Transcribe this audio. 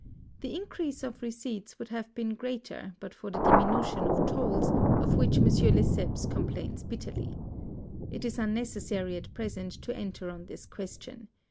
The increase of PREFACE. XI receipts would have been greater but for the diminution of tolls, of which M. Lesseps complains bitterly. It is unnecessary at present to enter on this question.